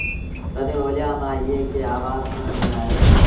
تڏهيݩ اوليآ مآݩ ايٚئي کي آوآز سُڻڻ ميݩ آيو